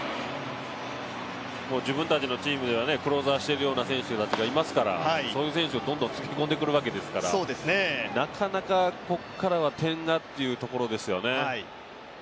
自分たちのチームではクローザーしてるような選手だとかいますからそういう選手をどんどんつぎ込んでくるわけですから、なかなかここからは点がっていうところですよね。